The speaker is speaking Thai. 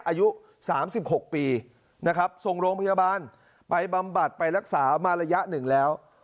อายุ๓๖ปีนะครับส่งโรงพยาบาลไปบำบัดไปรักษามาระยะหนึ่งแล้ว